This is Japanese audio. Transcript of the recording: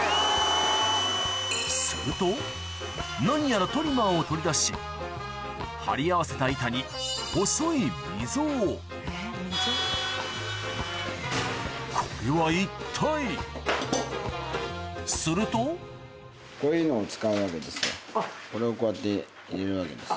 すると何やらトリマーを取り出し張り合わせた板にするとこれをこうやって入れるわけです。